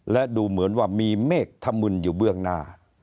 และดูเหมือนว่ามีเมฆธมึนอยู่เบื้องหน้า